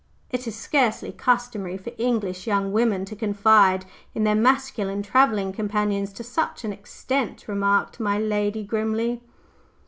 "It is scarcely customary for English young women to confide in their masculine travelling companions to such an extent," remarked my lady grimly.